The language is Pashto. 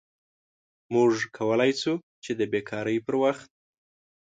موږ کولی شو چې د بیکارۍ پر وخت